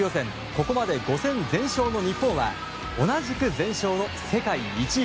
ここまで５戦全勝の日本は同じく全勝の世界１位